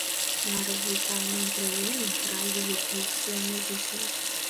На развітальным прыёме гралі літоўскія музыкі.